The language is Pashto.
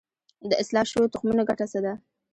د اصلاح شویو تخمونو ګټه څه ده؟